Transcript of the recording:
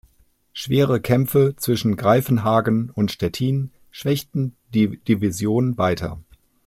Schwere Kämpfe zwischen Greifenhagen und Stettin schwächten die Division weiter.